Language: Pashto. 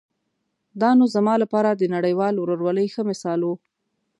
دا نو زما لپاره د نړیوال ورورولۍ ښه مثال و.